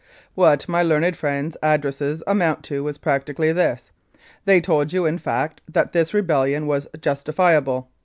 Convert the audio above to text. ... "What my learned friends' addresses amounted to was practically this. They told you, in fact, that this rebellion was justifiable.